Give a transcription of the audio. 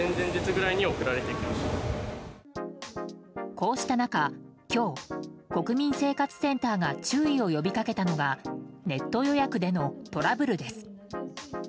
こうした中今日、国民生活センターが注意を呼び掛けたのがネット予約でのトラブルです。